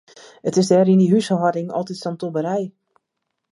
It is dêr yn dy húshâlding altyd sa'n tobberij.